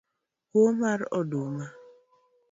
Kuo mar oduma